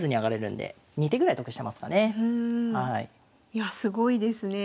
いやすごいですね。